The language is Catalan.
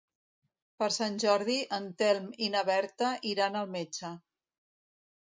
Per Sant Jordi en Telm i na Berta iran al metge.